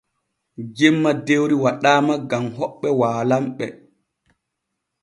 Jemma dewri waɗaama gam hoɓɓe waalanɓe.